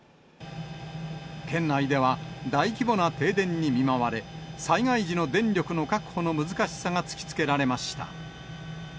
県内では、大規模な停電に見舞われ、災害時の電力の確保の難しさが突きつけられました。